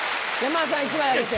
山田さん１枚あげて。